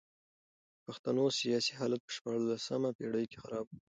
د پښتنو سیاسي حالت په شپاړلسمه پېړۍ کي خراب و.